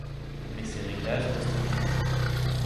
Mais ces réglages restent minimes.